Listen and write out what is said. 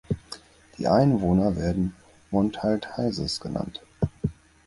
Die Einwohner werden "Montaltais(es)" genannt.